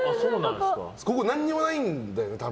ここ、何にもないんだよね。